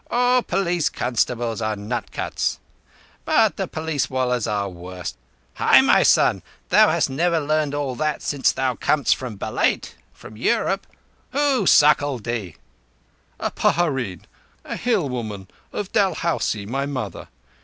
"All police constables are nut cuts; but the police wallahs are the worst. Hai, my son, thou hast never learned all that since thou camest from Belait (Europe). Who suckled thee?" "A pahareen—a hillwoman of Dalhousie, my mother.